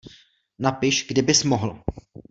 Napiš, kdy bys mohl.